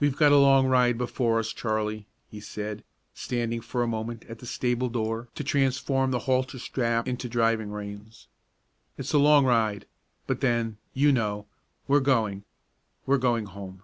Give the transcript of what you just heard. "We've got a long ride before us, Charlie," he said, standing for a moment at the stable door to transform the halter strap into driving reins. "It's a long ride; but then, you know, we're going we're going home!"